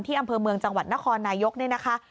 อำเภอเมืองจังหวัดนครนายกนี่นะคะ